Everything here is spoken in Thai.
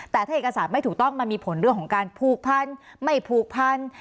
แต่ถ้าเอกสารไม่ถูกต้องมันมีผลเรื่องของการผูกพันไม่ผูกพัน